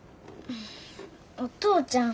お父ちゃん